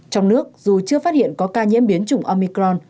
trong nước dù chưa phát hiện có ca nhiễm biến chủng omicron